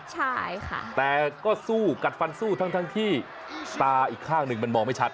ใช่ค่ะแต่ก็สู้กัดฟันสู้ทั้งที่ตาอีกข้างหนึ่งมันมองไม่ชัด